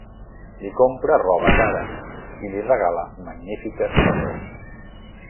Li compra roba cara i li regala magnífiques coses.